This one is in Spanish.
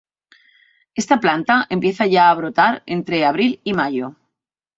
Esta planta empieza a brotar entre abril y mayo.